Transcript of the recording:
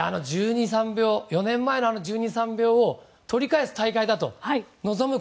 あの４年前の１２１３秒を取り戻す大会だと臨む